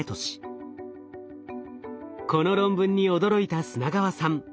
この論文に驚いた砂川さん。